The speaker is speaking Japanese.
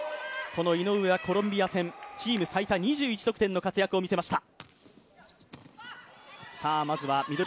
井上はコロンビア戦、チーム最多２１得点の活躍を見せました。